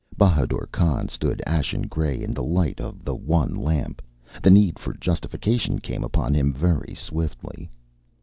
Bahadur Khan stood ashen grey in the light of the one lamp. The need for justification came upon him very swiftly.